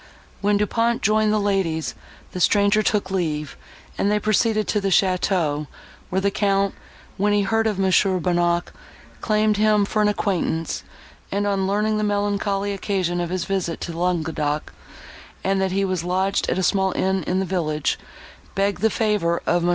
When Du Pont joined the ladies, the stranger took leave, and they proceeded to the château, where the Count, when he heard of Mons. Bonnac, claimed him for an acquaintance, and, on learning the melancholy occasion of his visit to Languedoc, and that he was lodged at a small inn in the village, begged the favour of Mons.